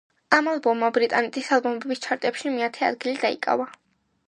ამ ალბომმა ბრიტანეთის ალბომების ჩარტებში მეათე ადგილი დაიკავა.